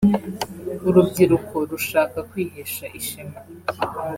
urubyiruko rushaka kwihesha ishema